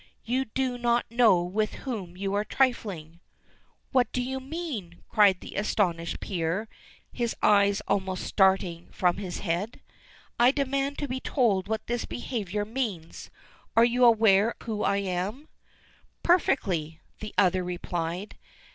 You do not know with whom you are trifling." "What do you mean?" cried the astonished peer, his eyes almost starting from his head. "I demand to be told what this behavior means. Are you aware who I am?" "Perfectly," the other replied.